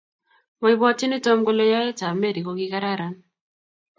maipwotyini tom kole yaet ap Mary kokikararan